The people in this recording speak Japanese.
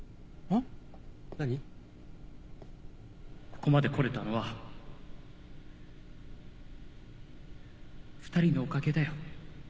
ここまで来れたのは２人のおかげだよ。